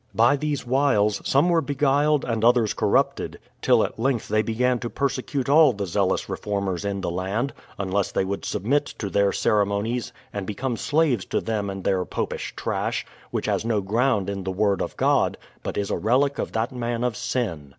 By these wiles some were beguiled and others corrupted, till at length they began to persecute all the zealous reformers in the land, unless they would submit to their ceremonies and become slaves to them and their popish trash, which has no ground in the word of God, but is a relic of that man of sin.